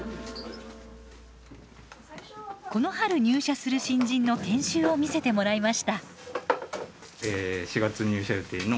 この春入社する新人の研修を見せてもらいました。